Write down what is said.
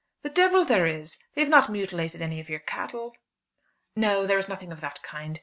"The devil there is! They have not mutilated any of your cattle?" "No, there is nothing of that kind.